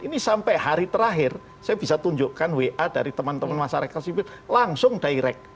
ini sampai hari terakhir saya bisa tunjukkan wa dari teman teman masyarakat sipil langsung direct